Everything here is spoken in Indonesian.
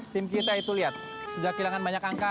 tim kita itu lihat sudah kehilangan banyak angka